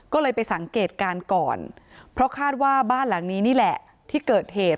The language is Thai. ก็เลยไปสังเกตการณ์ก่อนเพราะคาดว่าบ้านหลังนี้นี่แหละที่เกิดเหตุ